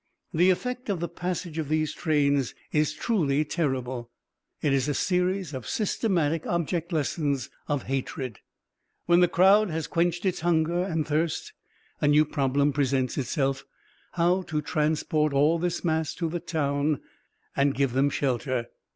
The effect of the passage of these trains is truly terrible, it is a series of systematic object lessons of hatred.... When the crowd has quenched its hunger and thirst, a new problem presents itself: how to transport all this mass to the town and give them shelter.